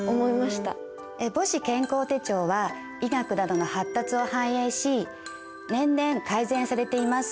母子健康手帳は医学などの発達を反映し年々改善されています。